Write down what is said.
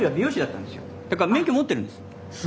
だから免許持ってるんです。